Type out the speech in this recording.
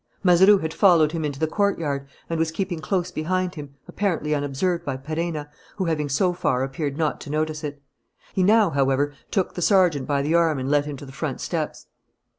Mazeroux had followed him into the courtyard and was keeping close behind him, apparently unobserved by Perenna, who having so far appeared not to notice it. He now, however, took the sergeant by the arm and led him to the front steps.